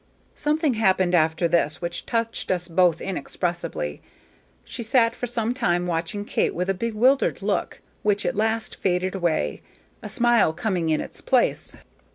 Something happened after this which touched us both inexpressibly: she sat for some time watching Kate with a bewildered look, which at last faded away, a smile coming in its place.